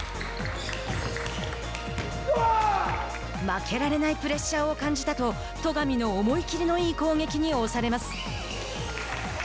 「負けられないプレッシャーを感じた」と戸上の思い切りのいい攻撃に押されます。